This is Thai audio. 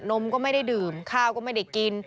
มก็ไม่ได้ดื่มข้าวก็ไม่ได้กิน